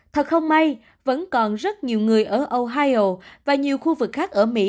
thật không may vẫn còn rất nhiều người ở ohio và nhiều khu vực khác ở mỹ